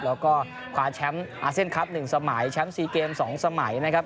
แล้วก็คว้าแชมป์อาเซียนคลับ๑สมัยแชมป์๔เกม๒สมัยนะครับ